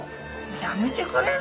やめてくれる？